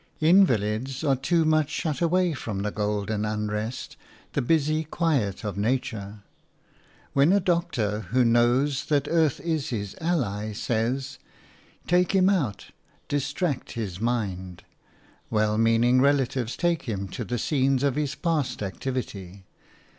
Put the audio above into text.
Invalids are too much shut away from the golden unrest, the busy quiet of nature. When a doctor, who knows that earth is his ally, says – "Take him out, distract his mind," well meaning relatives take him to the scenes of his past activity.